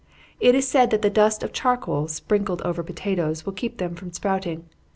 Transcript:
It is said that the dust of charcoal, sprinkled over potatoes, will keep them from sprouting.